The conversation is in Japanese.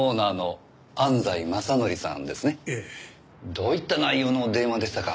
どういった内容の電話でしたか？